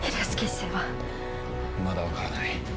まだわからない。